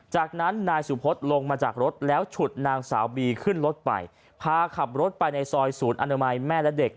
จากนั้นนายสุพธิ์ลงมาจากรถแล้วฉุดนางสาวบีขึ้นรถไปพาขับรถไปในซอยศูนย์อนามัยแม่และเด็ก